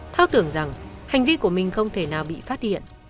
thao tưởng rằng hành vi của mình không thể nào bị phát hiện